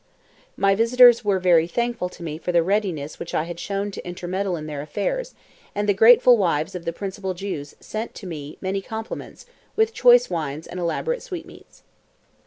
My visitors were very thankful to me for the readiness which I had shown to intermeddle in their affairs, and the grateful wives of the principal Jews sent to me many compliments, with choice wines and elaborate sweetmeats.